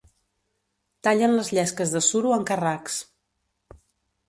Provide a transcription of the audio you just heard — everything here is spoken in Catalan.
Tallen les llesques de suro en carracs.